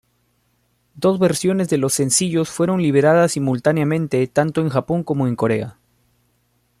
Dos versiones de los sencillos fueron liberadas simultáneamente tanto en Japón como en Corea.